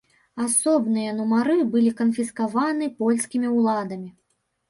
Асобныя нумары былі канфіскаваны польскімі ўладамі.